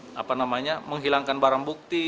bagian daripada untuk apa namanya menghilangkan barang buka